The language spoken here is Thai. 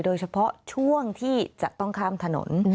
โดยเฉพาะช่วงที่จะต้องข้ามถนน